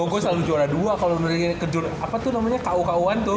gue selalu juara dua kalo dari kejun apa tuh namanya ku kuan tuh